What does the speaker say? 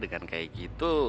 dengan kayak gitu